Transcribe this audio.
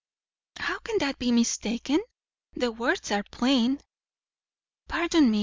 "How can that be mistaken? The words are plain." "Pardon me.